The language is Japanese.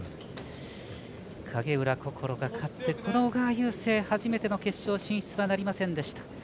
影浦心が勝ってこの小川雄勢、初めての決勝進出はなりませんでした。